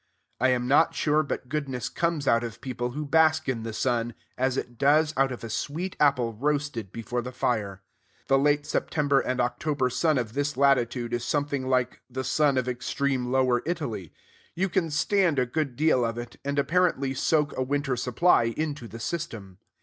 I am not sure but goodness comes out of people who bask in the sun, as it does out of a sweet apple roasted before the fire. The late September and October sun of this latitude is something like the sun of extreme Lower Italy: you can stand a good deal of it, and apparently soak a winter supply into the system.